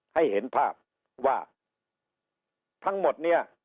ให้เห็นภาพว่าทั้งหมดเนี่ย